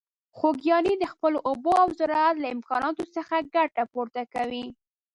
خوږیاڼي د خپلو اوبو او زراعت له امکاناتو څخه ګټه پورته کوي.